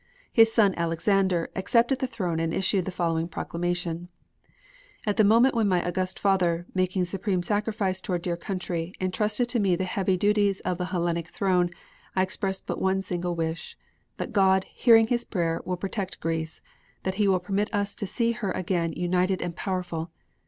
His son Alexander accepted the throne and issued the following proclamation: At the moment when my august father, making a supreme sacrifice to our dear country, entrusted to me the heavy duties of the Hellenic throne I express but one single wish that God, hearing his prayer, will protect Greece, that He will permit us to see her again united and powerful.